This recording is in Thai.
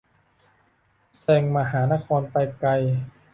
แซงมหานครไปไกล